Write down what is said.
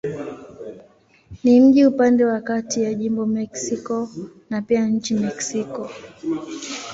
Ni mji upande wa kati ya jimbo Mexico na pia nchi Mexiko.